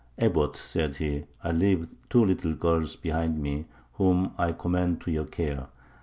Abbot, said he, I leave two little girls behind me, whom I commend to your care.